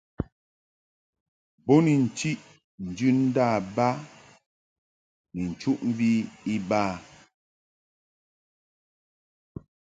Bo to chiʼ njɨndâ ba ni nchuʼmvi iba.